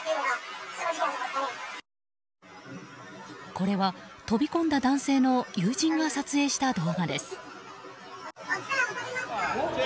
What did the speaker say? これは、飛び込んだ男性の友人が撮影した動画です。